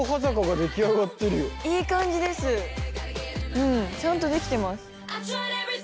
うんちゃんと出来てます。